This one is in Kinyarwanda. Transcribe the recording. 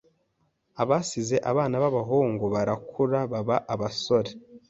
abasize abana b’abahungu barakura baba abasore